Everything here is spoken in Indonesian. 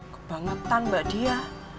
gue bangetan mbak dia